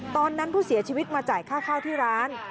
ตอนนั้นผู้เสียชีวิตมาจ่ายค่าข้าวที่ร้าน